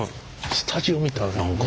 スタジオみたい何か。